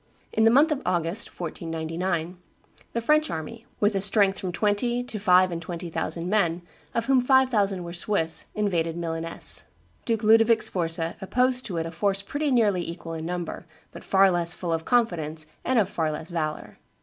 In the month of August, 1499, the French army, with a strength of from twenty to five and twenty thousand men, of whom five thousand were Swiss, invaded Milaness. Duke Ludovic Sforza opposed to it a force pretty nearly equal in number, but far less full of confidence and of far less valor.